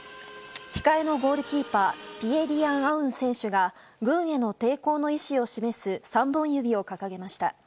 控えのゴールキーパーピエ・リアン・アウン選手が軍への抵抗の意思を示す３本指を掲げました。